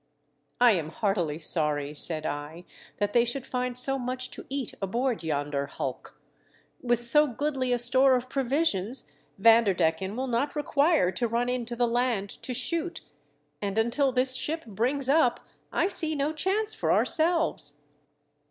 "I am heartily sorry," said I, "that they should find so much to eat aboard yonder hulk. With so goodly a store of provisions, Vanderdecken will not require to run into the land to shoot ; and until this ship brings up I see no chance for ourselves."